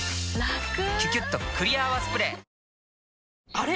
あれ？